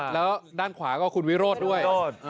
แล้วด้านขวาก็คุณวิโรธด้วย